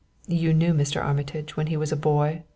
"You knew Mr. Armitage when he was a boy?"